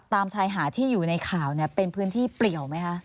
ตามชายหาดที่อยู่ในข่าวเป็นพื้นที่เปลี่ยวไหมคะ